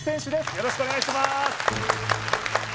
よろしくお願いします